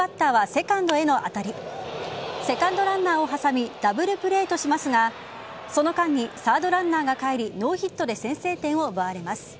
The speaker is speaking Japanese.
セカンドランナーを挟みダブルプレーとしますがその間にサードランナーが還りノーヒットで先制点を奪われます。